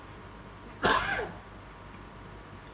ก็ต้องทำอย่างที่บอกว่าช่องคุณวิชากำลังทำอยู่นั่นนะครับ